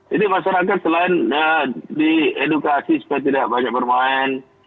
jadi masyarakat selain di edukasi supaya tidak banyak bermain